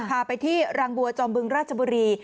พาไปที่รังบัวจอมบึงราชบุรี